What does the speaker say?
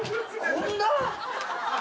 こんな？